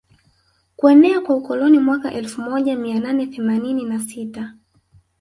Kuenea kwa ukoloni Mwaka elfu moja mia nane themanini na sita